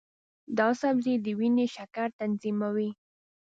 دا سبزی د وینې شکر تنظیموي.